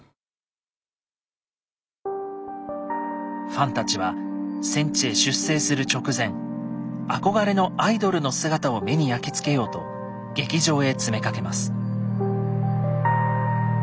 ファンたちは戦地へ出征する直前憧れのアイドルの姿を目に焼き付けようと劇場へ詰めかけます。